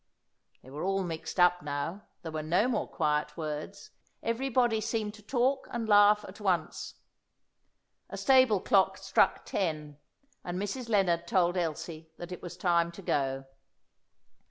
They were all mixed up now; there were no more quiet words. Everybody seemed to talk and laugh at once. A stable clock struck ten, and Mrs. Lennard told Elsie that it was time to go.